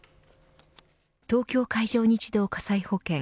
東京海上日動火災保険